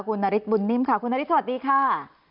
คุณนาริสบุญนิมค่ะคุณนาริสสวัสดีค่ะ